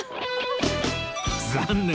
残念！